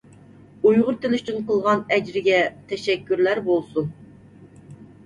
ئۇيغۇر تىلى ئۈچۈن قىلغان ئەجرىگە تەشەككۈرلەر بولسۇن!